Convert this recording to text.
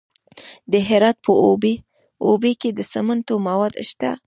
د هرات په اوبې کې د سمنټو مواد شته.